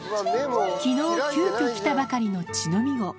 きのう急きょ来たばかりの乳飲み子。